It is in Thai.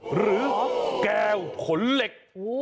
หรือแก้วขนเหล็ก